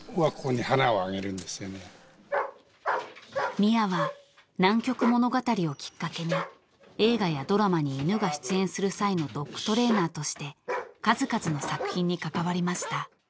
［宮は『南極物語』をきっかけに映画やドラマに犬が出演する際のドッグトレーナーとして数々の作品に関わりました］